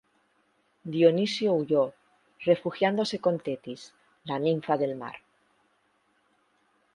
Dioniso huyó, refugiándose con Tetis, la ninfa del mar.